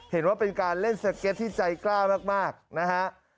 เห็นว่าเป็นการเล่นสเก็ตที่ใจกล้ามากนะฮะ